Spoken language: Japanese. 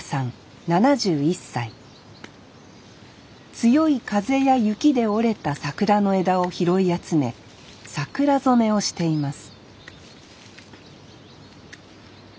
強い風や雪で折れた桜の枝を拾い集め桜染めをしています